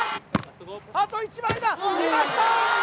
あと１枚だきました！